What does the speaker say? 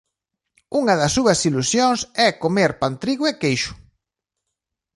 Unha das súas ilusións é comer pantrigo e queixo.